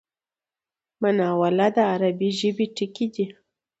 مناوله د عربي ژبی ټکی دﺉ.